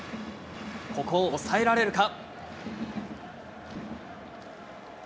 ここを抑えられるか。